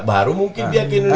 baru mungkin dia ke indonesia